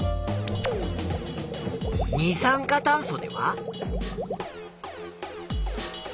二酸化炭素では。